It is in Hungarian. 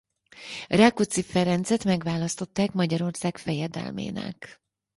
Rákóczi Ferencet megválasztották Magyarország fejedelmének.